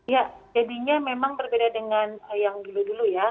ya jadinya memang berbeda dengan yang dulu dulu ya